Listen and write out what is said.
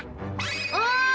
おい！